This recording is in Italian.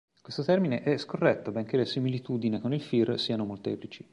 Questo termine è scorretto, benché le similitudine con il Fir siano molteplici.